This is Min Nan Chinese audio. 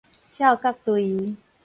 哨角隊